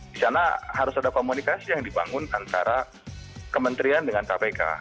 di sana harus ada komunikasi yang dibangun antara kementerian dengan kpk